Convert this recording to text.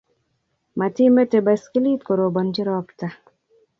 Mati mete baiskelit korobonji robto